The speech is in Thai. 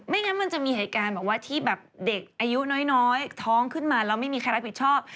งั้นมันจะมีเหตุการณ์บอกว่าที่แบบเด็กอายุน้อยท้องขึ้นมาแล้วไม่มีใครรับผิดชอบ